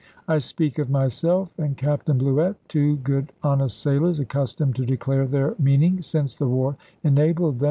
I speak of myself and Captain Bluett, two good honest sailors, accustomed to declare their meaning since the war enabled them.